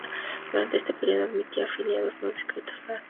Durante ese periodo admitía afiliados no adscritos a esa formación.